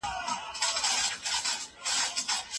که موږ متحد سو نو هېواد به مو جوړ سي.